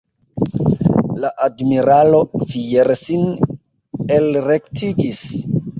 La admiralo fiere sin elrektigis.